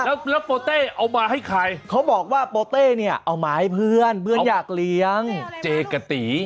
แล้วโปเต้เอามาให้ใครเขาบอกว่าโปเต้เนี่ยเอามาให้เพื่อนเพื่อนอยากเลี้ยงเจกะตี